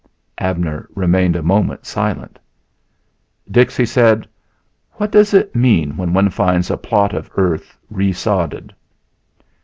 Abner remained a moment silent. "Dix," he said, "what does it mean when one finds a plot of earth resodded?"